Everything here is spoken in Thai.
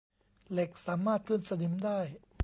เหล็กสามารถขึ้นสนิมได้